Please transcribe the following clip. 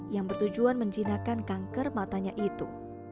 yang bertujuan menjinakkan kanker matanya itu